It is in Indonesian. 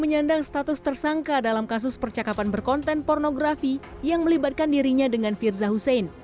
menyandang status tersangka dalam kasus percakapan berkonten pornografi yang melibatkan dirinya dengan firza husein